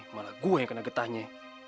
malah gue yang kena getahnya